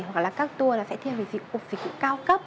hoặc là các tour sẽ thêm dịch vụ cao cấp